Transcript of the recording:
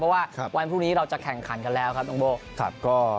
เพราะว่าวันพรุ่งนี้เราจะแข่งขันกันแล้วครับน้องโบ้